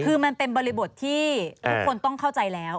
คือมันเป็นบริบทที่ทุกคนต้องเข้าใจแล้ว